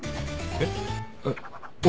えっ！